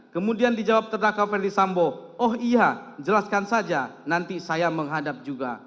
kemudian dijawab terdakwa ferdisambo oh iya jelaskan saja nanti saya menghadap juga